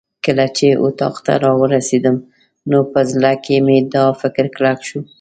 کله چې اتاق ته راورسېدم نو په زړه کې مې دا فکر کلک شو.